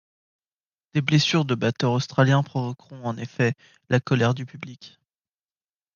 Des blessures de batteurs australiens provoqueront en effet la colère du public.